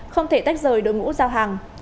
không thể tách rời đội ngũ giao hàng